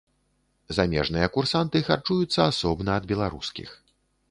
Замежныя курсанты харчуюцца асобна ад беларускіх.